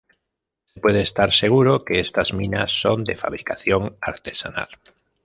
Se puede estar seguro que estas minas son de fabricación artesanal.